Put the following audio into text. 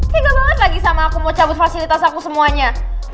kega banget lagi sama aku mau cabut fasilitas aku semuanya